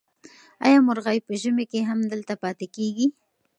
آیا مرغۍ په ژمي کې هم دلته پاتې کېږي؟